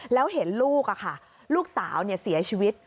แล้วเห็นลูกลูกสาวเสียชีวิต